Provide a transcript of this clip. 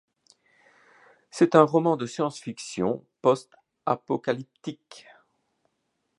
C'est un roman de science-fiction post-apocalyptique.